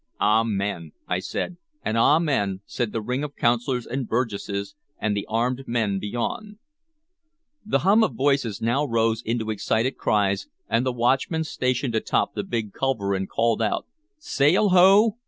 "Amen," I said, and "Amen," said the ring of Councilors and Burgesses and the armed men beyond. The hum of voices now rose into excited cries, and the watchman stationed atop the big culverin called out, "Sail ho!"